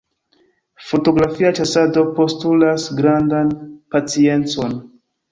Fotografia ĉasado postulas grandan paciencon.